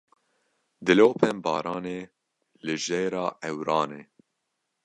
Dilopên baranê li jêra ewran e.